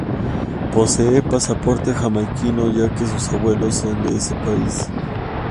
Posee pasaporte Jamaiquino ya que sus abuelos son de ese país.